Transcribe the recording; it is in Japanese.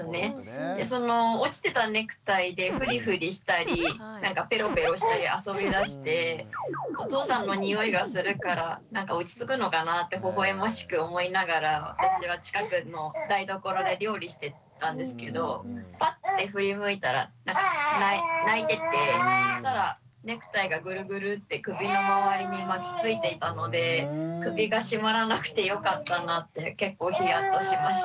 その落ちてたネクタイでフリフリしたりペロペロしたり遊びだしてお父さんの匂いがするから落ち着くのかなってほほ笑ましく思いながら私は近くの台所で料理してたんですけどパッて振り向いたら泣いててそしたらネクタイがグルグルッて首の周りに巻きついていたので首が絞まらなくてよかったなって結構ヒヤッとしました。